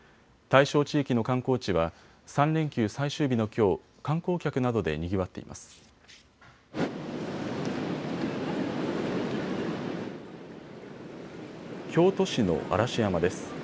対象地域の観光地は３連休最終日のきょう、観光客などでにぎわっています。